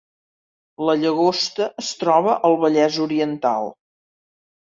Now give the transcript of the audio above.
La Llagosta es troba al Vallès Oriental